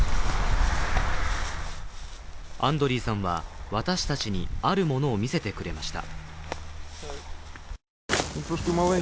アンドリーさんは私たちにあるものを見せてくれました。